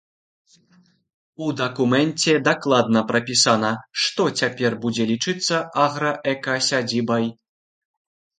У дакуменце дакладна прапісана, што цяпер будзе лічыцца аграэкасядзібай.